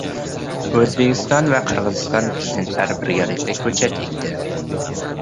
O‘zbekiston va Qirg‘iziston Prezidentlari birgalikda ko‘chat ekdi